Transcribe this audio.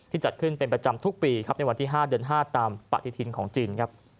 จัดขึ้นเป็นประจำทุกปีครับในวันที่๕เดือน๕ตามปฏิทินของจีนครับ